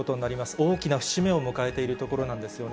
大きな節目を迎えているところなんですよね。